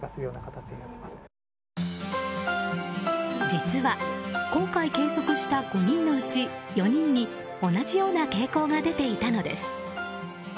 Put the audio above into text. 実は、今回計測した５人のうち４人に同じような傾向が出ていたのです。